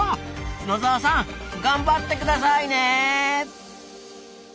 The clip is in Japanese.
野澤さん頑張ってくださいね！